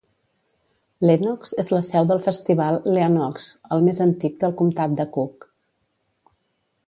Lenox és la seu del festival Lean-Ox, el més antic del comtat de Cook.